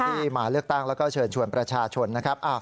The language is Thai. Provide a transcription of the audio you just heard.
ที่มาเลือกตั้งแล้วก็เชิญชวนประชาชนนะครับ